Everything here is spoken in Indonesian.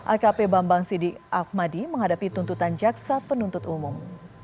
akp bambang sidik akmadi menghadapi tuntutan jaksa penuntut umum